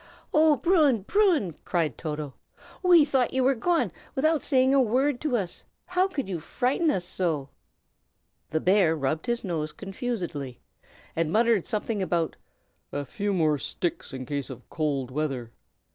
"Oh, Bruin, Bruin!" cried Toto, "we thought you were gone, without saying a word to us. How could you frighten us so?" The bear rubbed his nose confusedly, and muttered something about "a few more sticks in case of cold weather."